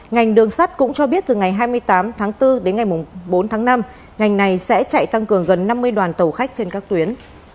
ngành đường sắt cũng cho biết từ ngày hai mươi tám tháng bốn đến ngày bốn tháng năm ngành này sẽ chạy tăng cường gần năm mươi đoàn tàu khách trên các tuyến